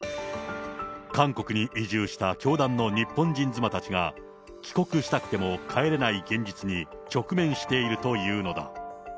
韓国に移住した教団の日本人妻たちが、帰国したくても帰れない現実に直面しているというのだ。